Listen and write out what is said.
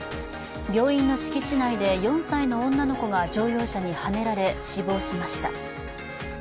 病院の敷地内で４歳の女の子が乗用車にはねられ、死亡しました。